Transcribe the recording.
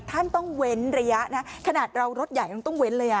ท่านต้องเว้นระยะขนาดรถใหญ่ต้องไว้เลย